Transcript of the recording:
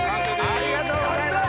ありがとうございます！